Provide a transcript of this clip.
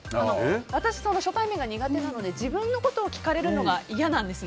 私は初対面が苦手なので自分のことが聞かれるのが嫌なんです。